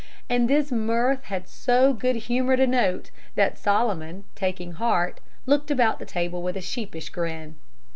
And this mirth had so good humored a note that Solomon, taking heart, looked about the table with a sheepish grin.